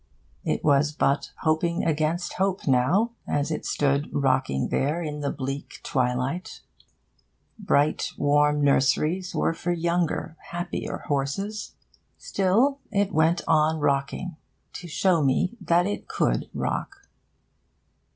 It was but hoping against hope now, as it stood rocking there in the bleak twilight. Bright warm nurseries were for younger, happier horses. Still it went on rocking, to show me that it could rock.